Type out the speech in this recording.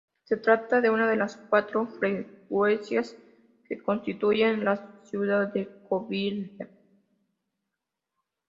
Se trata de una de las cuatro "freguesias" que constituyen la ciudad de Covilhã.